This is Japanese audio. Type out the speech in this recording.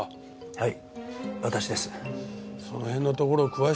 はい。